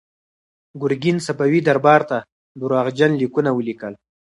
ګورګین صفوي دربار ته درواغجن لیکونه ولیکل.